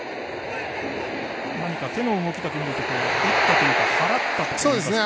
手の動きだけ見ると打ったというか払ったといいますか。